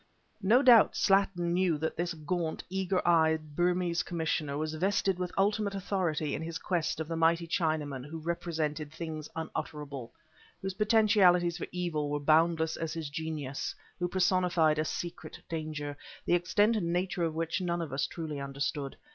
No doubt, Slattin knew that this gaunt, eager eyed Burmese commissioner was vested with ultimate authority in his quest of the mighty Chinaman who represented things unutterable, whose potentialities for evil were boundless as his genius, who personified a secret danger, the extent and nature of which none of us truly understood.